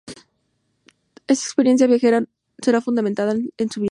Esa experiencia viajera será fundamental en su vida.